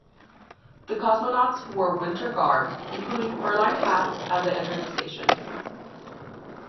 The cosmonauts wore winter garb, including fur-lined hats, as they entered the station.